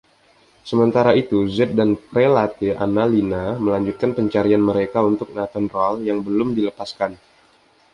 Sementara itu, Zedd dan Prelate Annalina melanjutkan pencarian mereka untuk Nathan Rahl yang belum dilepaskan.